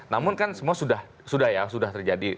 namun kan semua sudah ya sudah terjadi